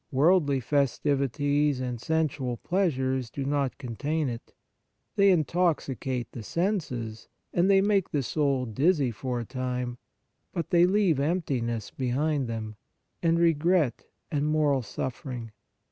Worldly festivities and sensual pleasures do not contain it; they intoxicate the senses and they make the soul dizzy for a time, but they leave emptiness behind them, and regret and moral suffering.